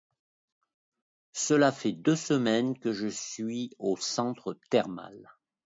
Cela fait deux semaines que je suis au centre thermal.